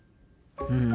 うん。